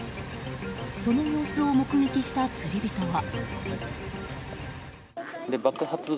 その様子を目撃した釣り人は。